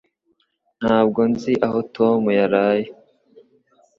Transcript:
Ntabwo nzi aho Tom yaraye